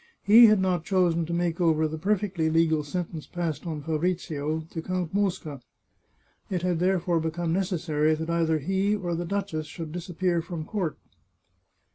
He had not chosen to make over the perfectly legal sentence passed on Fabrizio, to Count Mosca. It had therefore become necessary that either he or the duchess should disappear from court.